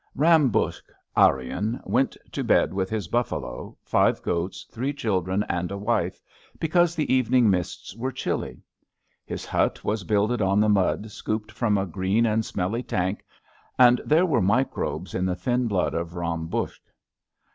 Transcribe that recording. " Ty AM BUKSH, Aryan, went to bed with his ^^ buffalo, five goats, three children and a wife, because the evening mists were chilly. His hut was builded on the mud scooped from a green and smelly tank, and there were microbes in the thin blood of Ram Buksh.